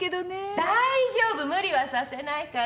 大丈夫無理はさせないから。